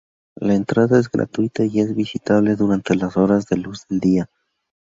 La entrada es gratuita y es visitable durante las horas de luz del día.